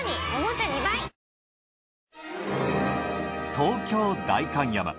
東京代官山。